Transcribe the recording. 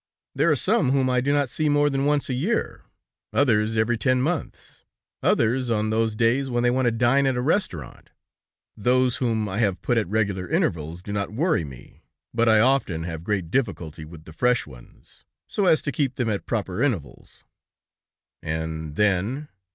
There are some whom I do not see more than once a year, others every ten months, others on those days when they want to dine at a restaurant, those whom I have put at regular intervals do not worry me, but I often have great difficulty with the fresh ones, so as to keep them at proper intervals." "And then...."